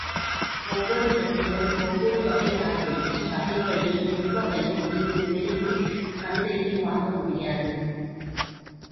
ஒவ்வொரு தட்டிலும் ஒவ்வொரு வகை ஆப்பிள் இவ்வகைகளில் எவ்வகையையும் நீங்கள் வெளியில் சந்தையில் வாங்கமுடியாது.